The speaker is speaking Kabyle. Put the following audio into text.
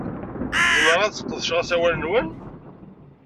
Zemreɣ ad sqedceɣ asawal-nwen?